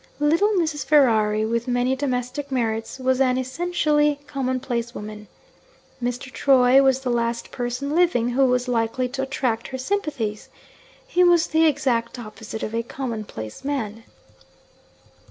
Little Mrs. Ferrari, with many domestic merits, was an essentially commonplace woman. Mr. Troy was the last person living who was likely to attract her sympathies he was the exact opposite of a commonplace man.